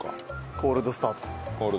コールドスタート。